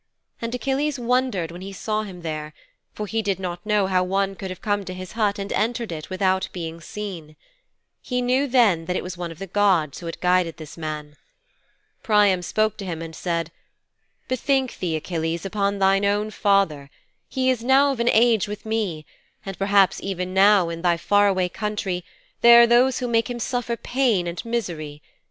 And Achilles wondered when he saw him there, for he did not know how one could have come to his hut and entered it without being seen. He knew then that it was one of the gods who had guided this man. Priam spoke to him and said, "Bethink thee, Achilles upon thine own father. He is now of an age with me, and perhaps even now, in thy far away country, there are those who make him suffer pain and misery.